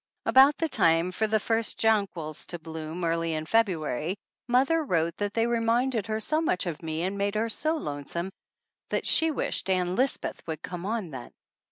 About the time for the first jonquils to bloom, early in February, mother wrote that they re minded her so much of me and made her so lonesome, that she wished Ann Lisbeth would come on then.